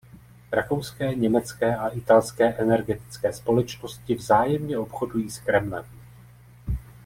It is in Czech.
Rakouské, německé a italské energetické společnosti vzájemně obchodují s Kremlem.